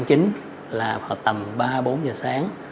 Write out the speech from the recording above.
ngày hai mươi chín là tầm ba bốn giờ sáng